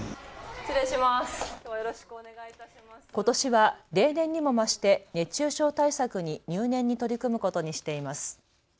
ことしは例年にも増して熱中症対策に入念に取り組むことにしています。